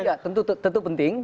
ya tentu tentu penting